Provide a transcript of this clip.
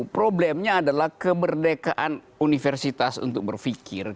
problemnya adalah kemerdekaan universitas untuk berpikir